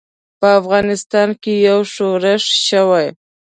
په افغانستان کې یو ښورښ شوی.